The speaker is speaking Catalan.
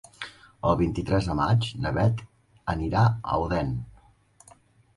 El vint-i-tres de maig na Beth anirà a Odèn.